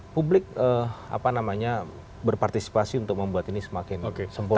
publik berpartisipasi untuk membuat ini semakin sempurna